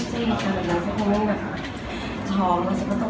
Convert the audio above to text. ที่แกเป็นแบบนั้นเพราะแกกินแล้ว